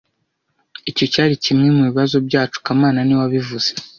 Icyo cyari kimwe mubibazo byacu kamana niwe wabivuze